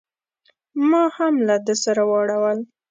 ما هم له ده سره واړول.